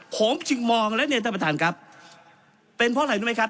ผมจึงมองแล้วเนี่ยท่านประธานครับเป็นเพราะอะไรรู้ไหมครับ